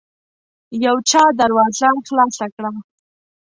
يو چا دروازه خلاصه کړه.